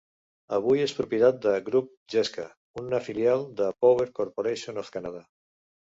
Avui és propietat de Groupe Gesca, una filial de Power Corporation of Canada.